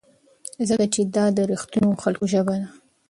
ځکه چې دا د رښتینو خلکو ژبه ده.